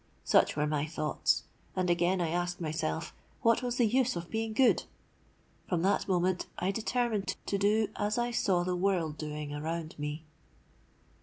Such were my thoughts; and again I asked myself, what was the use of being good? From that moment I determined to do as I saw the world doing around me.